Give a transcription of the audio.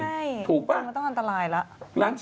ใช่ถ้ามันต้องอันตรายล่ะถูกปะ